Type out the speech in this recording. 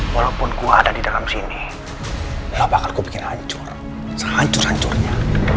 walaupun gua ada di dalam sini lo bakal bikin hancur hancur hancurnya